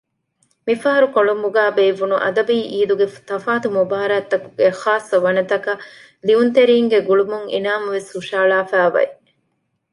މިފަހަރު ކޮޅުނބުގައި ބޭއްވުނު އަދަބީ އީދުގެ ތަފާތު މުބާރާތްތަކުގެ ޚާއްޞަ ވަނަތަކަށް ލިޔުންތެރީންގެ ގުޅުމުން އިނާމު ވެސް ހުށަހަޅާފައިވެ